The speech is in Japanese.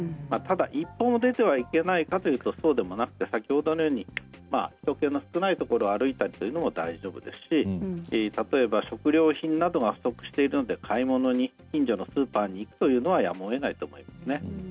ただ、一歩も出てはいけないかというとそうでもなくて先ほどのように人けの少ないところを歩いたりということは大丈夫ですし例えば食料品などが不足しているので買い物に近所のスーパーに行くというのはやむをえないと思います。